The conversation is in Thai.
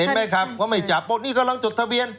เห็นไหมครับก็ไม่จับนี่กำลังจดทะเบียน